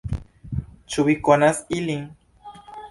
Ĉu vi konas ilin?